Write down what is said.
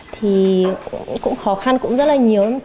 thì cũng khó khăn cũng rất là nhiều